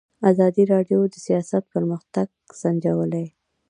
ازادي راډیو د سیاست پرمختګ سنجولی.